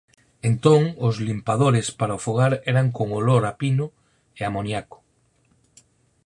Entón os limpadores para o fogar eran con olor a pino e amoníaco.